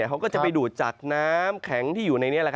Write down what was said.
เขาก็จะไปดูดจากน้ำแข็งที่อยู่ในนี้